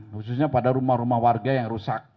khususnya pada rumah rumah warga yang rusak